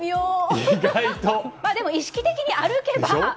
でも意識的に歩けば。